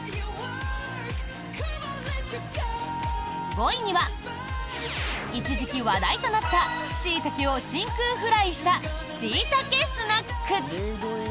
５位には、一時期話題となったシイタケを真空フライしたしいたけスナック。